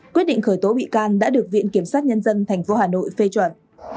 quyết định khởi tố bị can đã được viện kiểm sát nhân dân tp hà nội phê chuẩn